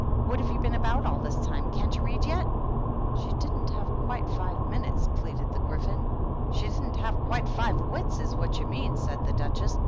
"What have you been about all this time? Can't you read yetf^ " She didn't have quite five minutes," pleaded the Gryphon. " She didn't have quite five wits, is what you mean," said the Duchess.